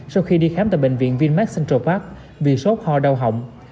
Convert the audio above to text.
sau khi đi khám tại bệnh viện vinmark central park vì sốt ho đau hỏng